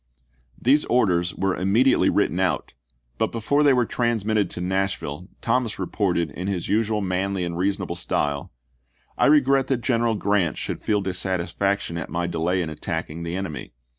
These orders were immediately written chap. i. out, but before they were transmitted to Nashville Thomas reported in his usual manly and reasonable style, " I regret that General Grant should feel dissatisfaction at my delay in attacking the enemy.